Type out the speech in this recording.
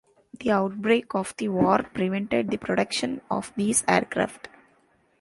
The outbreak of the war prevented the production of these aircraft.